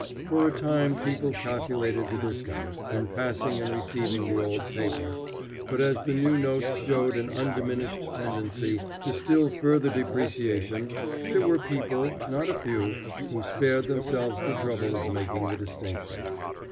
For a time people calculated the discount, in passing and receiving the old paper, but as the new notes showed an undiminished tendency to still further depreciation, there were people, not a few, who spared themselves the trouble of making the distinction.